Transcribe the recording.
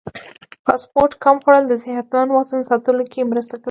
فاسټ فوډ کم خوړل د صحتمند وزن ساتلو کې مرسته کوي.